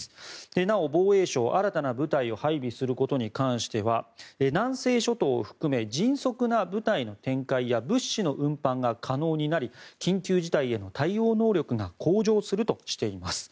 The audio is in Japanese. なお、防衛省、新たな部隊を配備することに関しては南西諸島を含め迅速な部隊の展開や物資の運搬が可能になり緊急事態への対応能力が向上するとしています。